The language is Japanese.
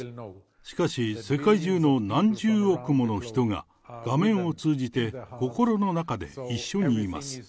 しかし、世界中の何十億もの人が、画面を通じて、心の中で一緒にいます。